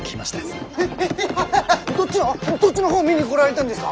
どっちの方見に来られだんですか？